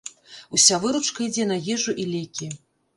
Уся выручка ідзе на ежу і лекі.